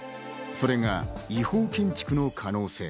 それが違法建築の可能性。